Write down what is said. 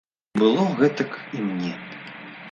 Было гэтак і мне.